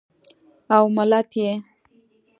او ملت یې